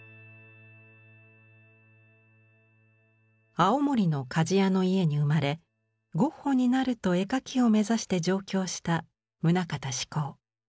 青森の鍛冶屋の家に生まれ「ゴッホになる」と絵描きを目指して上京した棟方志功。